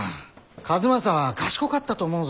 数正は賢かったと思うぞ。